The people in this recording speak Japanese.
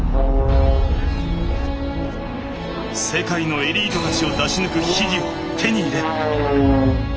世界のエリートたちを出し抜く秘技を手に入れ。